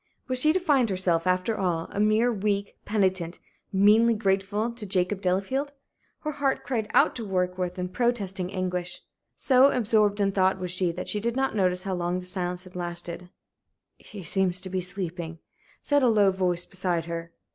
Was she to find herself, after all, a mere weak penitent meanly grateful to Jacob Delafield? Her heart cried out to Warkworth in a protesting anguish. So absorbed in thought was she that she did not notice how long the silence had lasted. "He seems to be sleeping," said a low voice beside her.